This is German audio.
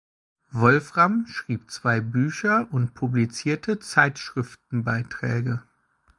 Wolfram schrieb zwei Bücher und publizierte Zeitschriftenbeiträge.